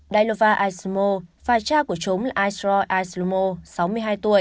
daylova aslomo và cha của chúng là aishra aslomo sáu mươi hai tuổi